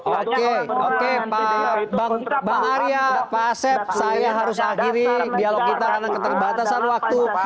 oke oke bang arya pak asep saya harus akhiri dialog kita karena keterbatasan waktu